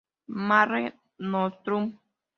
Mare Nostrum.